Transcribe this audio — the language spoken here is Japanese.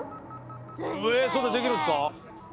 えそんなできるんですか？